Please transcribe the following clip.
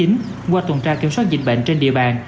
qua tuần tra kiểm soát dịch bệnh trên địa bàn